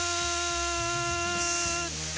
って